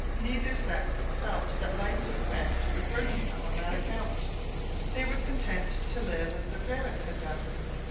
Neither sex felt that life was cramped or burdensome on that account. They were content to live as their parents had done.